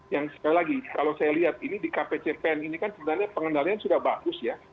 yang sekali lagi kalau saya lihat ini di kpcpen ini kan sebenarnya pengendalian sudah bagus ya